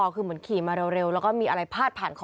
คือเหมือนขี่มาเร็วแล้วก็มีอะไรพาดผ่านคอ